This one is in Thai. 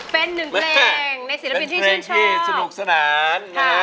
เป็นเพลงที่สนุกสนาน